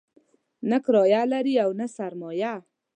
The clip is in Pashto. نه کرايه لري او نه سرمایه.